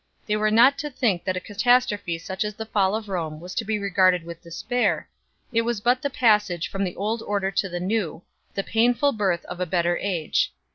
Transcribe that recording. They were not to think that a catastrophe such as the fall of Rome was to be regarded with despair ; it was but the passage from the old order to the new, the painful birth of a better age 1